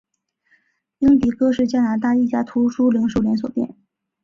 英迪戈是加拿大一家图书零售连锁店。